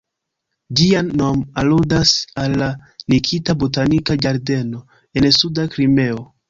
Ĝia nom aludas al la Nikita botanika ĝardeno, en suda Krimeo.